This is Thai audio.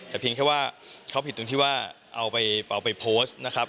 แต่เพียงแค่ว่าเขาผิดตรงที่ว่าเอาไปโพสต์นะครับ